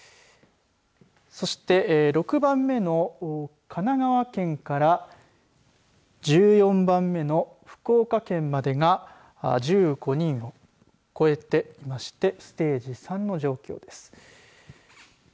そして、６番目の神奈川県から１４番目の福岡県までが１５人を超えていましてステージ３の状況です。